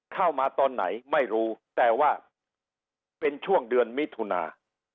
เข้ามาตอนไหนไม่รู้แต่ว่าเป็นช่วงเดือนมิถุนา